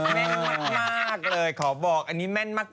แม่นมากเลยขอบอกอันนี้แม่นมาก